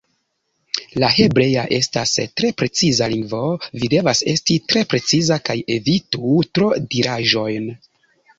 La hebrea estas tre preciza lingvo, vi devas esti tre preciza kaj evitu tro-diraĵojn.